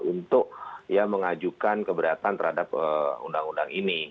untuk mengajukan keberatan terhadap undang undang ini